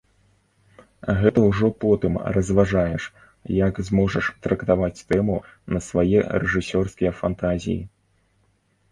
Гэта ўжо потым разважаеш, як зможаш трактаваць тэму на свае рэжысёрскія фантазіі.